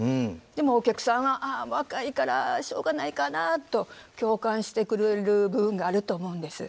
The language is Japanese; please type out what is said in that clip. でもお客さんは「ああ若いからしょうがないかな」と共感してくれる部分があると思うんです。